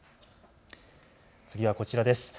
次はこちらです。